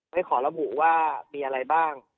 ไม่ขอระบุว่ามีอะไรบ้าง